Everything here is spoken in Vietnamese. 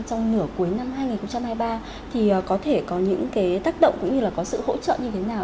trong nửa cuối năm hai nghìn hai mươi ba thì có thể có những tác động cũng như là có sự hỗ trợ như thế nào